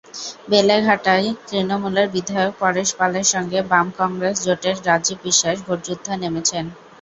বেলেঘাটায় তৃণমূলের বিধায়ক পরেশ পালের সঙ্গে বাম-কংগ্রেস জোটের রাজীব বিশ্বাস ভোটযুদ্ধে নেমেছেন।